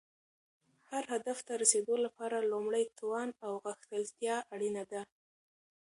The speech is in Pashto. هر هدف ته رسیدو لپاره لومړی توان او غښتلتیا اړینه ده.